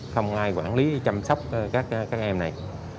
không ai quản lý chăm sóc các em này